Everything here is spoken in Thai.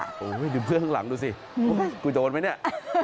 โอ้โหดูเพื่อนข้างหลังดูสิกูโดนไหมเนี่ย